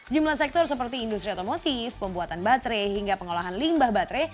jumlah sektor seperti industri otomotif pembuatan baterai hingga pengolahan limbah baterai